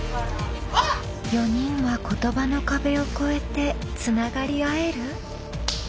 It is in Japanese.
４人は言葉の壁を越えてつながり合える？